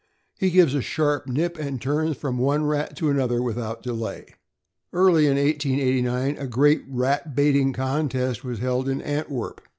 He gives a sharp nip, and turns from one rat to another without delay. Early in 1889, a great rat baiting contest was held in Antwerp.